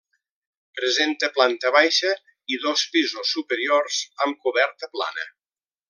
Presenta planta baixa i dos pisos superiors, amb coberta plana.